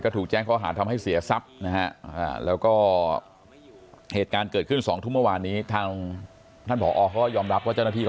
คือหาสาเหตุว่าสาเหตุนี้เกิดขึ้นจากอะไร